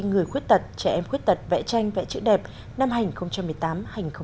người khuyết tật trẻ em khuyết tật vẽ tranh vẽ chữ đẹp năm hành một mươi tám hai nghìn một mươi chín